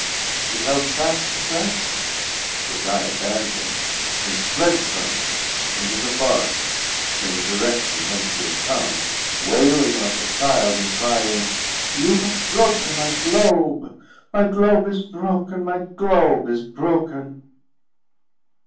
She held fast the fragments, which I abandoned, and fled from me into the forest in the direction whence she had come, wailing like a child, and crying, "You have broken my globe; my globe is broken—my globe is broken!"